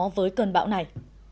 với cơn bão này